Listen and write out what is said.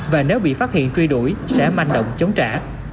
và nếu bị phát hiện truy đuổi sẽ manh động chống trả